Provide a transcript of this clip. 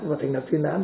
và thành lập chuyên án